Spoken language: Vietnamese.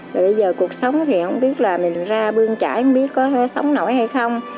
bây giờ cuộc sống thì không biết là mình ra bương trải không biết có sống nổi hay không